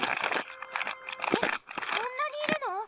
えっこんなにいるの？